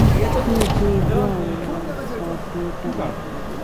شپې، دوی دواړه موږ ته په تمه و.